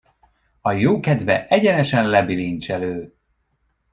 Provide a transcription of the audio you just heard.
A jókedve egyenesen lebilincselő.